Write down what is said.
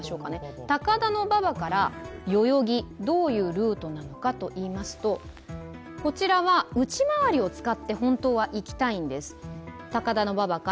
どういうルートなのかといいますと、こちらは内回りを使って本当は行きたいんです。